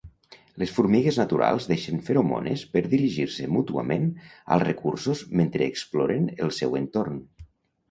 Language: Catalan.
Les formigues naturals deixen feromones per dirigir-se mútuament als recursos mentre exploren el seu entorn.